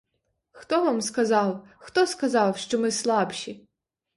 Хто вам сказав, хто сказав, що ми слабші?